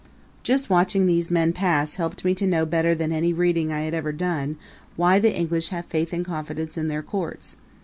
Just watching these men pass helped me to know better than any reading I had ever done why the English have faith and confidence in their courts.